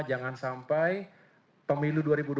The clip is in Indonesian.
jangan sampai pemilu